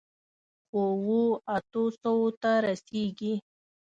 خو، اوو، اتو سووو ته رسېږي.